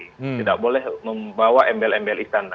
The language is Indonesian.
tidak boleh membawa embel embel istana